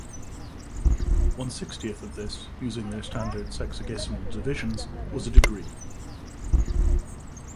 One sixtieth of this, using their standard sexagesimal divisions, was a degree.